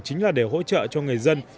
chính là để hỗ trợ cho người dân